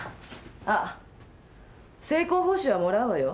あっ成功報酬はもらうわよ。